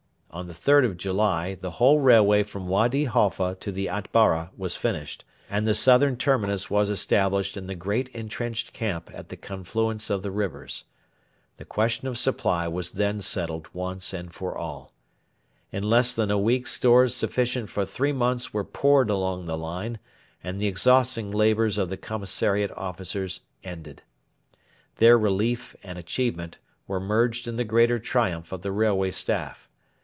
On the 3rd of July the whole railway from Wady Halfa to the Atbara was finished, and the southern terminus was established in the great entrenched camp at the confluence of the rivers. The question of supply was then settled once and for all. In less than a week stores sufficient for three months were poured along the line, and the exhausting labours of the commissariat officers ended. Their relief and achievement were merged in the greater triumph of the Railway Staff.